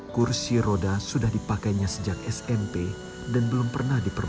kursi roda sudah dipakainya sejak smp dan belum pernah diperlukan